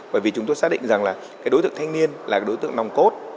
bởi vì chúng tôi xác định rằng đối tượng thanh niên là đối tượng nòng cốt